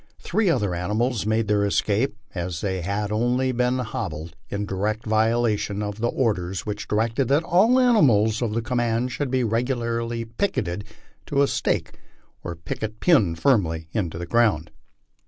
Three other animals made their escape, as they had only been hobbled, in direct violation of the orders which directed that all the animals of the command should be regularly picketed to a stake or picket pin, firmly driven into the ground.